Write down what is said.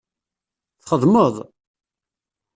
Txedmeḍ?